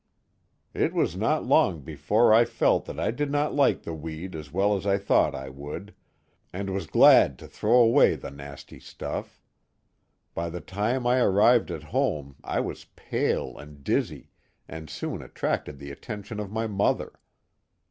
It was not long before I felt that I did not like the weed as well as I thought I would, and was glad to throw away the 342 The Mohawk Valley ^^H nasty stuff. By the time I arrived at home I was paltfTffia^ dizzy, and soon attracted the attention of my mother.